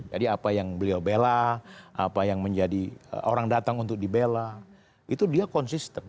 jadi apa yang beliau bela apa yang menjadi orang datang untuk dibela itu dia konsisten